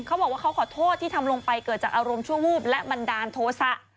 เขาบอกว่าเขาขอโทษที่ทำลงไปเกิดจากอารมณ์ชั่ววูบและบันดาลโทษะ